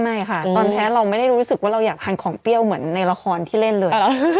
ไม่ค่ะตอนแพ้เราไม่ได้รู้สึกว่าเราอยากทานของเปรี้ยวเหมือนในละครที่เล่นเลย